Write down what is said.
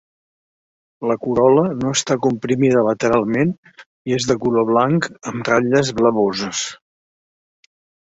La corol·la no està comprimida lateralment i és de color blanc amb ratlles blavoses.